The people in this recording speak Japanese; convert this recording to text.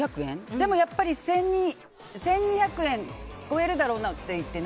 でもやっぱり１２００円超えるだろうなっていって。